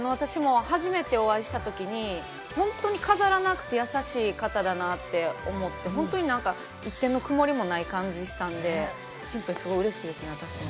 初めてお会いした時に本当に飾らなくて、優しい方だなって思って、一点の曇りもない感じがしたんで、うれしいですね、私も。